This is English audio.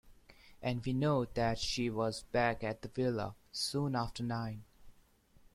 And we know that she was back at the villa soon after nine.